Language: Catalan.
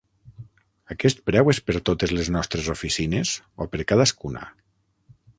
Aquest preu és per totes les nostres oficines, o per cadascuna?